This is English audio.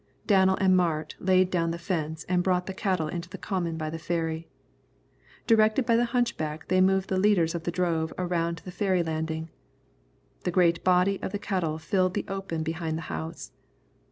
Danel and Mart laid down the fence and brought the cattle into the common by the ferry. Directed by the hunchback they moved the leaders of the drove around to the ferry landing. The great body of the cattle filled the open behind the house.